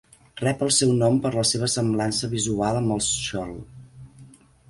Rep el seu nom per la seva semblança visual amb el schorl.